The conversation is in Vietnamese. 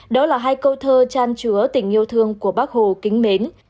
đó là hai câu thơ tràn chứa tình yêu thương của bác hồ kính mến